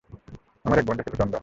আমার এক বন্ধু ছিলো, চন্দন।